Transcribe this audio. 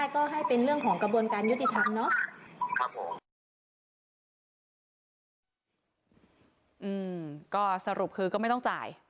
ก็สรุปคือก็ไม่ต้องจ่าย